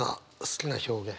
好きな表現。